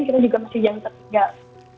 kita juga masih jauh tertinggal